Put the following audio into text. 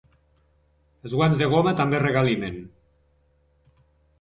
Els guants de goma també regalimen.